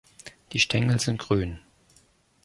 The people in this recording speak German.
Die Stängel sind grün.